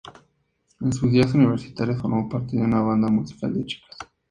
En sus días universitarios formó parte de una banda musical de chicas.